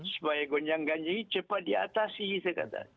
supaya gonjang ganjing ini cepat diatasi saya katakan